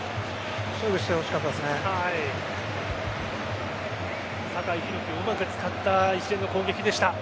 勝負してほしかったですね。